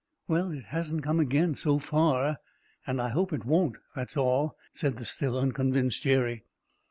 "Well, it hasn't come again, so far, and I hope it won't, that's all," said the still unconvinced Jerry.